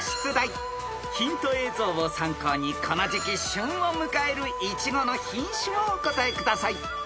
［ヒント映像を参考にこの時季旬を迎えるイチゴの品種をお答えください］